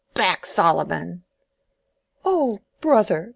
Back, Solomon!" "Oh, Brother.